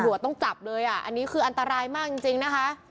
ตำรวจต้องจับเลยอ่ะอันนี้คืออันตรายมากจริงจริงนะคะ